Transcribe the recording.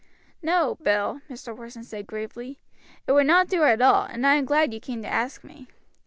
"No, Bill," Mr. Porson said gravely. "It would not do at all, and I am glad you came to ask me.